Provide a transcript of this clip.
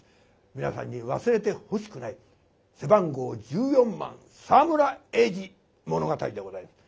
皆さんに忘れてほしくない背番号１４番「沢村栄治物語」でございます。